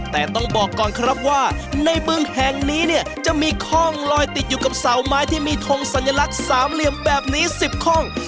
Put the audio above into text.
แต่ต้องบอกก่อนครับว่าในบึงแห่งนี้เนี่ยจะมีคล่องลอยติดอยู่กับเสาไม้ที่มีทงสัญลักษณ์สามเหลี่ยมแบบนี้๑๐ข้อง